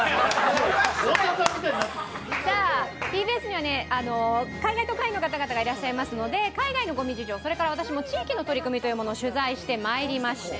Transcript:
ＴＢＳには海外特派員の方々がいらっしゃいますので海外のごみ事情、それから私も地域の取り組みを取材してまいりました。